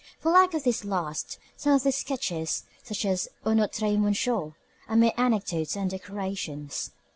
For lack of this last, some of his sketches, such as Un Autre Monsieur, are mere anecdotes and decorations.